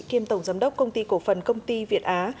kiêm tổng giám đốc công ty cổ phần công ty việt á